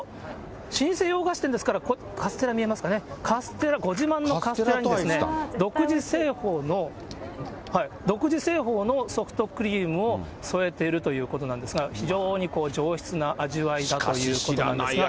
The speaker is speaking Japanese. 新生洋菓子店ですから、カステラ見えますかね、カステラ、ご自慢のカステラと、独自製法の独自製法のソフトクリームをそえているということなんですが、非常に上質な味わいということなんですが。